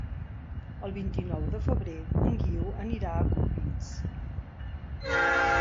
El vint-i-nou de febrer en Guiu anirà a Corbins.